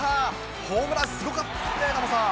ホームランすごかったですね、タモさん。